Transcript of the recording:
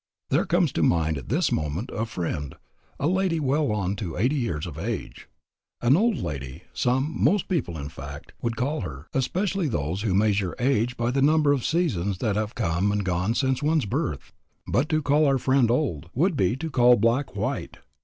There comes to mind at this moment a friend, a lady well on to eighty years of age. An old lady, some, most people in fact, would call her, especially those who measure age by the number of the seasons that have come and gone since one's birth. But to call our friend old, would be to call black white.